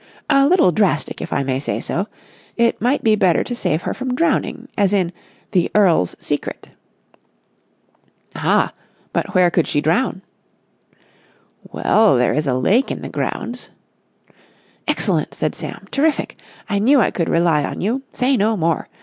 "A little drastic, if I may say so. It might be better to save her from drowning, as in 'The Earl's Secret.'" "Ah, but where could she drown?" "Well, there is a lake in the grounds...." "Excellent!" said Sam. "Terrific! I knew I could rely on you. Say no more!